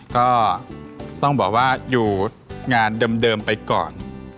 ก็ต้องบอกว่าอยู่งานเดิมไปก่อน